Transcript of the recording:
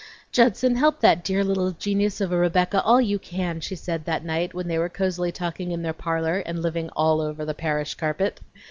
"Judson, help that dear little genius of a Rebecca all you can!" she said that night, when they were cosily talking in their parlor and living "all over" the parish carpet.